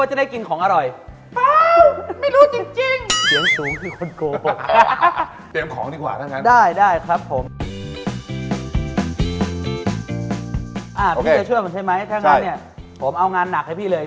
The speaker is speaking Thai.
ถ้างั้นผมเอางานหนักให้พี่เลย